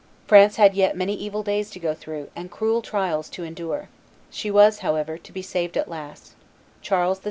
France had yet many evil days to go through and cruel trials to endure; she was, however, to be saved at last; Charles VI.